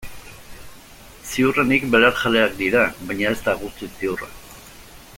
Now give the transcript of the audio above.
Ziurrenik belarjaleak dira, baina ez da guztiz ziurra.